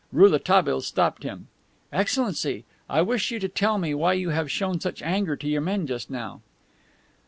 Rouletabille stopped him. "Excellency, I wish you to tell me why you have shown such anger to your men just now."